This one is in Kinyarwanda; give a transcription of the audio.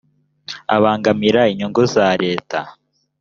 abangamira inyungu za leta